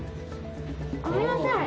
ごめんなさい。